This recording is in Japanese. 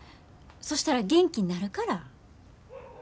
そしたら元気になるから。